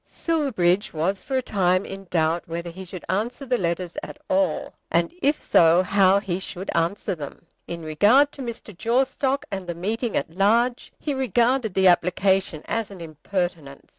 Silverbridge was for a time in doubt whether he should answer the letters at all, and if so how he should answer them. In regard to Mr. Jawstock and the meeting at large, he regarded the application as an impertinence.